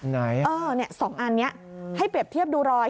ไหนนี่สองอันนี้ให้เปรียบเทียบดูรอย